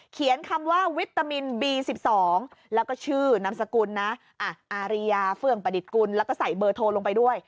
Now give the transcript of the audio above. เขียนคำว่าวิตามินบี๑๒แล้วก็ชื่อนามสกุลนะอาริยาเฟื่องประดิษฐ์กุลแล้วก็ใส่เบอร์โทรลงไปด้วย